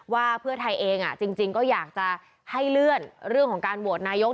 ว่าเพื่อไทยเองจริงก็อยากจะให้เลื่อนเรื่องของการโหวตนายก